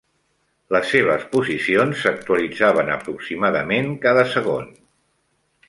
Les seves posiciones s'actualitzaven aproximadament cada segon.